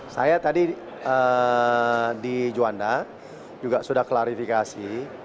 saya tadi di juanda juga sudah klarifikasi